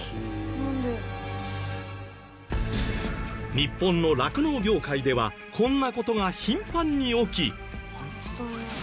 日本の酪農業界ではこんな事が頻繁に起き。